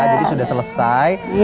jadi sudah selesai